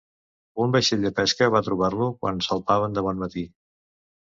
Un vaixell de pesca va trobar-lo quan salpaven de bon matí.